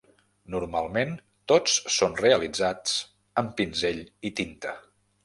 Normalment, tots són realitzats amb pinzell i tinta.